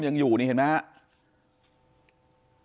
ยังอยู่เนี่ยเห็นนี่เห็นไหมฮะ